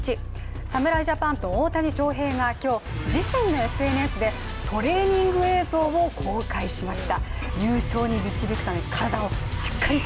侍ジャパンの大谷翔平が今日自身のＳＮＳで、トレーニング映像を公開しました。